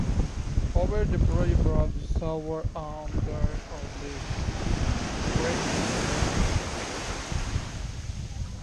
However, the project brought The Shubert under threat of the wrecking ball.